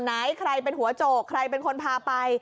ใครเป็นหัวโจกใครเป็นคนพาไป